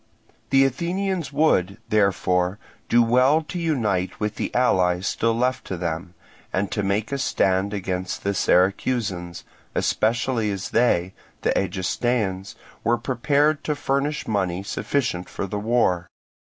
The Athenians would, therefore, do well to unite with the allies still left to them, and to make a stand against the Syracusans; especially as they, the Egestaeans, were prepared to furnish money sufficient for the war.